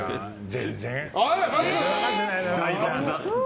全然。